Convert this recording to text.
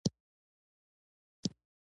نو تل د زېنک او مسو ګډوله واخلئ،